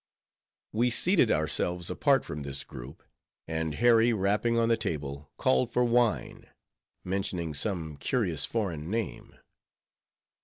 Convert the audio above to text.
We seated ourselves apart from this group, and Harry, rapping on the table, called for wine; mentioning some curious foreign name.